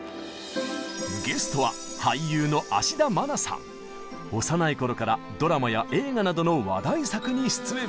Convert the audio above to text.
ゲストは幼い頃からドラマや映画などの話題作に出演。